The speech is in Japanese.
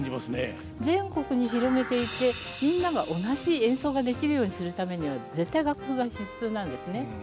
全国に広めていてみんなが同じ演奏ができるようにするためには絶対楽譜が必要なんですね。